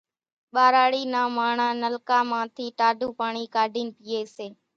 ٻاراڙِي نان ماڻۿان نلڪان مان ٿِي ٽاڍون پاڻِي ڪاڍينَ پيئيَ سي۔